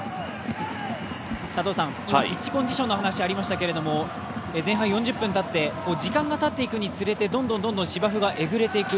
今、ピッチコンディションの話、ありましたけれども前半４０分たって、時間がたっていくにつれてどんどん芝生がえぐれていく。